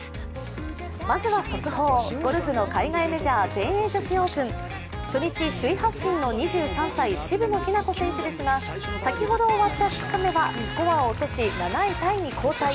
まずは速報、ゴルフの海外メジャー全英女子オープン、初日首位発進の渋野日向子選手ですが先ほど終わった２日目はスコアを落とし７位タイに後退。